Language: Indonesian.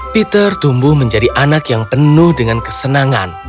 peter tumbuh menjadi anak yang penuh dengan kesenangan